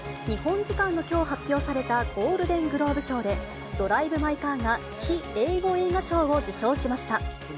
日本時間のきょう発表されたゴールデングローブ賞で、ドライブ・マイ・カーが非英語映画賞を受賞しました。